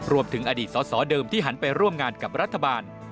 รวมถึงอดีตสอสอเดิมที่หันไปร่วมงานกับรัฐบาล